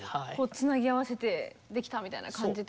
つなぎ合わせてできたみたいな感じってことですよね。